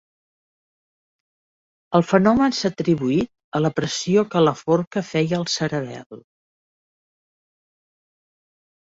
El fenomen s'ha atribuït a la pressió que la forca feia al cerebel.